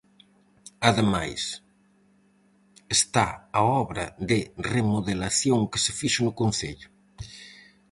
Ademais, está a obra de remodelación que se fixo no concello.